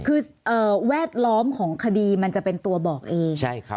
คือแวดล้อมของคดีมันจะเป็นตัวบอกเอง